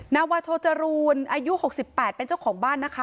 นาวาโทจรูนอายุ๖๘เป็นเจ้าของบ้านนะคะ